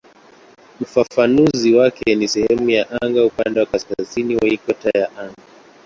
Ufafanuzi wake ni "sehemu ya anga upande wa kaskazini wa ikweta ya anga".